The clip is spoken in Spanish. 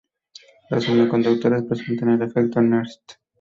Los semiconductores presentan el efecto Nernst.